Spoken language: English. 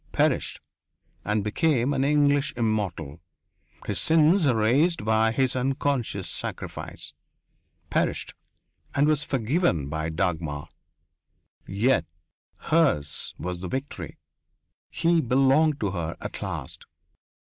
Perished, and became an English immortal his sins erased by his unconscious sacrifice. Perished, and was forgiven by Dagmar. Yet hers was the victory he belonged to her at last.